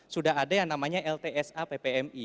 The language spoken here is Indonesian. sudah ada yang namanya ltsa ppmi